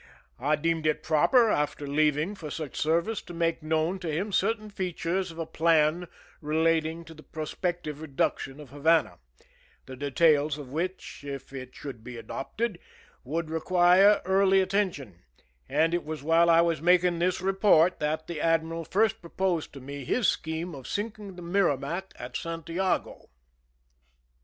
I deemed it proper, before leaving for such service, to make known to him certain features of a plan relating to the pro spective reduction of Havana, the details of which, if it should be adopted, would require early atten tion; and it was while I was making this report that the admiral first proposed to me his scheme of sinking the Merrimac at Santiago.